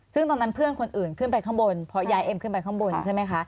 ซึ่งตอนนั้นเพื่อนคนอื่นขึ้นไปข้างบนเพราะยายเอ็มขึ้นไปข้างบนใช่ไหมคะ